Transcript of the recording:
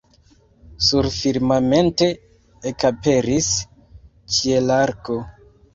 Surfirmamente ekaperis ĉielarko.